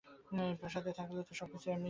প্রাসাদে থাকলে তো সবকিছু এমনিই সামনে চলে আসে।